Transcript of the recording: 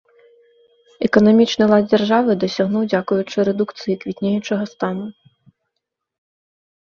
Эканамічны лад дзяржавы дасягнуў дзякуючы рэдукцыі квітнеючага стану.